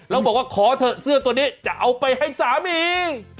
แล้วบอกว่าขอเถอะเสื้อตัวนี้จะเอาไปให้สามี